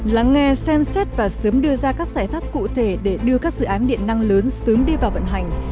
lắng nghe xem xét và sớm đưa ra các giải pháp cụ thể để đưa các dự án điện năng lớn sớm đi vào vận hành